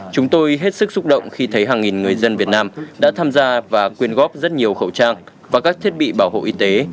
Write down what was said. chúng tôi hết sức xúc động khi thấy hàng nghìn người dân việt nam đã tham gia và quyên góp rất nhiều khẩu trang và các thiết bị bảo hộ y tế